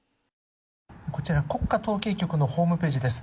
こちら、国家統計局のホームページです。